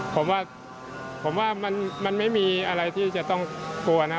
ผมว่าผมว่ามันไม่มีอะไรที่จะต้องกลัวนะ